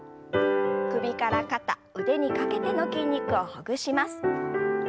首から肩腕にかけての筋肉をほぐします。